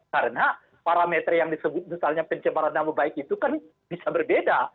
karena parameter yang disebut pencemaran nama baik itu kan bisa berbeda